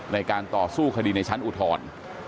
ในการต่อสู้คดีในชั้นอุทธรณ์